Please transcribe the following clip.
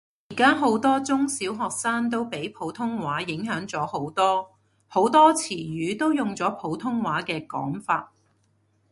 而家好多中小學生都俾普通話影響咗好多，好多詞語都用咗普通話嘅講法